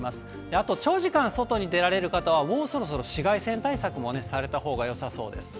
あと、長時間、外に出られる方は、もうそろそろ紫外線対策もね、されたほうがよさそうです。